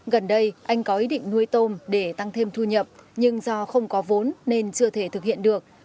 gần đây anh có ý định nuôi tôm để tăng thêm thu nhập nhưng do không có vốn nên chưa thể thực hiện được